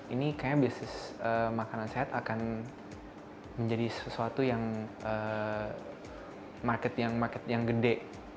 ini kayaknya bisnis makanan sehat akan menjadi sesuatu yang market yang gede